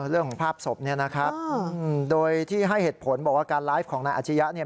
เรื่องของภาพศพเนี่ยนะครับโดยที่ให้เหตุผลบอกว่าการไลฟ์ของนายอาชียะเนี่ย